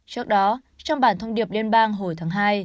trước đó trong bản thông điệp liên bang hồi tháng hai